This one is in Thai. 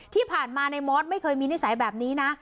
ที่ผ่านมานายมอสไม่เคยมีนิสัยแบบนี้นะ